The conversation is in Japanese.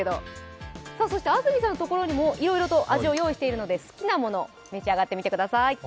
そして安住さんのところにもいろいろと味を用意しているので好きなもの召し上がってみてください。